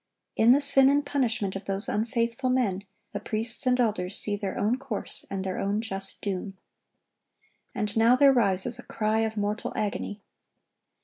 In the sin and punishment of those unfaithful men, the priests and elders see their own course and their own just doom. And now there rises a cry of mortal agony.